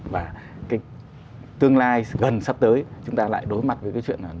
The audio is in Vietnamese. và cái tương lai gần sắp tới chúng ta lại đối mặt với cái chuyện là